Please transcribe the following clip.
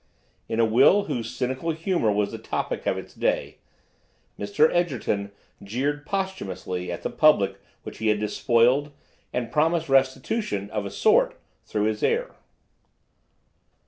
In a will whose cynical humor was the topic of its day, Mr. Egerton jeered posthumously at the public which he had despoiled, and promised restitution, of a sort, through his heir.